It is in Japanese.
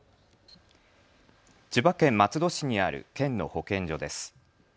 千葉県松戸市にある県の保健所です。